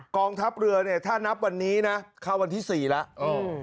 กองทัพเรือเนี่ยถ้านับวันนี้นะเข้าวันที่๔แล้ว